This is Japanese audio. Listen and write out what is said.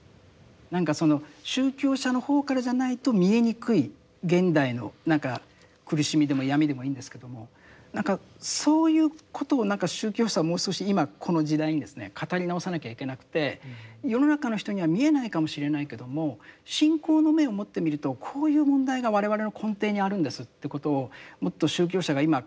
何か宗教者の方からじゃないと見えにくい現代の何か苦しみでも闇でもいいんですけども何かそういうことを宗教者はもう少し今この時代にですね語り直さなきゃいけなくて世の中の人には見えないかもしれないけども信仰の目を持ってみるとこういう問題が我々の根底にあるんですということをもっと宗教者が今語る。